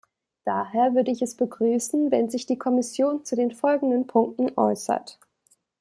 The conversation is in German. Daher würde ich es begrüßen, wenn sich die Kommission zu den folgenden Punkten äußert.